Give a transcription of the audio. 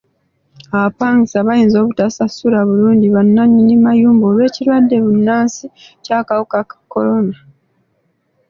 Abapangisa bayinza obutasasula bulungi bannannyini mayumba olw'ekirwadde bbunansi eky'akawuka ka kolona.